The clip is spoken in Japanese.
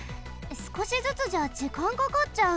すこしずつじゃじかんかかっちゃう。